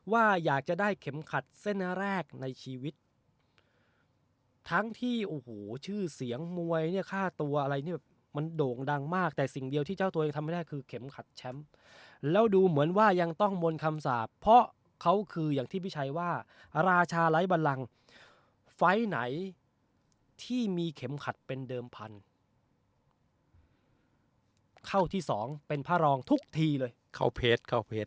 ว่าอยากจะได้เข็มขัดเส้นแรกในชีวิตทั้งที่โอ้โหชื่อเสียงมวยเนี่ยค่าตัวอะไรเนี่ยมันโด่งดังมากแต่สิ่งเดียวที่เจ้าตัวเองทำไม่ได้คือเข็มขัดแชมป์แล้วดูเหมือนว่ายังต้องมนต์คำสาปเพราะเขาคืออย่างที่พี่ชัยว่าราชาไร้บันลังไฟล์ไหนที่มีเข็มขัดเป็นเดิมพันธุ์เข้าที่สองเป็นพระรองทุกทีเลยเข้าเพจเข้าเพจ